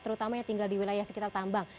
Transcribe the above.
terutama yang tinggal di wilayah sekitar tambang